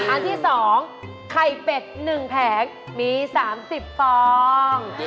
อันที่๒ไข่เป็ด๑แผงมี๓๐ฟอง